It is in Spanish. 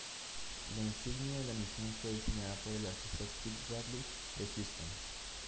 La insignia de la misión fue diseñada por el artista Skip Bradley de Houston.